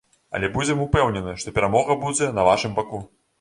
Але будзем упэўнены, што перамога будзе на вашым баку!